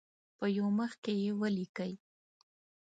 په یو مخ کې یې ولیکئ.